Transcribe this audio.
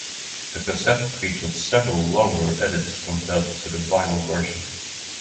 The cassette featured several longer edits compared to the vinyl version.